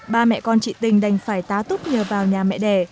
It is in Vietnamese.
ba mẹ con chị tình đành phải tá túc nhờ vào nhà mẹ đẻ